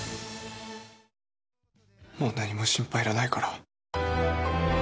もう何も心配いらないから。